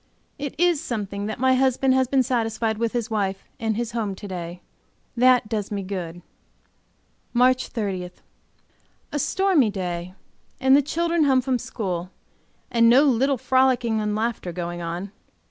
It is something that my husband has been satisfied with his wife and his home to day; that does me good. MARCH 30. A stormy day and the children home from school, and no little frolicking and laughing going on.